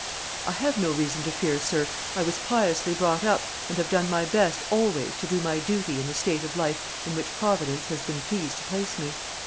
"I have no reason to fear, sir; I was piously brought up, and have done my best always to do my duty in the state of life in which Providence has been pleased to place me.